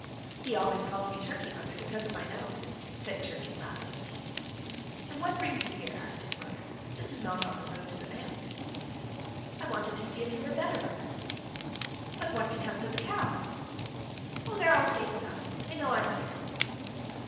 "He always calls me Turkey, mother, because of my nose," said Turkey, laughing. "And what brings you here?" asked his mother. "This is not on the road to the manse." "I wanted to see if you were better, mother." "But what becomes of the cows?" "Oh! they're all safe enough. They know I'm here."